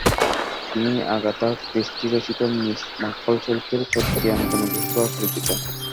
তিনি Agatha Christie রচিত Miss Marple চরিত্রের চরিত্রায়নের জন্য বিশেষভাবে পরিচিত।